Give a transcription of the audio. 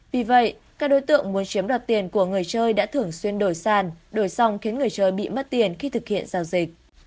vì vậy các đối tượng muốn chiếm đoạt tiền của người chơi đã thường xuyên đổi sàn đổi xong khiến người chơi bị mất tiền khi thực hiện giao dịch